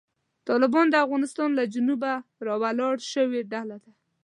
طالبان د افغانستان له جنوبه راولاړه شوې ډله ده.